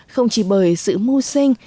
không chỉ bởi sự mưu sinh